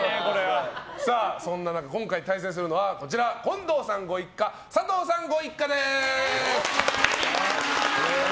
そんな中、今回対戦するのは近藤さんご一家佐藤さんご一家です。